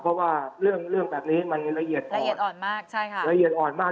เพราะว่าเรื่องเรื่องแบบนี้มันละเอียดมากละเอียดอ่อนมากใช่ค่ะละเอียดอ่อนมาก